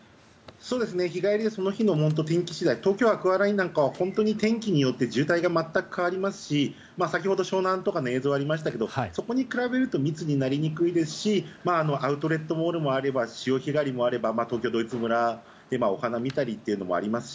日帰りでその日の天気次第東京アクアラインなんかは天気によって渋滞が全く変わりますし先ほど湘南とかの映像もありましたがそこに比べると密になりにくいですしアウトレットモールもあれば潮干狩りもあれば東京ドイツ村でお花を見たりということもあります